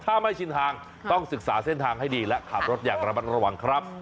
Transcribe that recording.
ถ้าไม่ชินทางต้องศึกษาเส้นทางให้ดีและขับรถอย่างระมัดระวังครับ